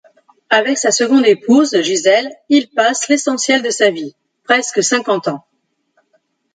Avec sa seconde épouse, Gisèle, il passe l'essentiel de sa vie, presque cinquante ans.